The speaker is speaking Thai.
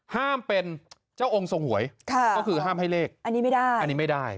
ห้ามเป็นเจ้าองค์ทรงหวยก็คือห้ามให้เลขอันนี้ไม่ได้อันนี้ไม่ได้